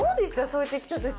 そうやって来た時。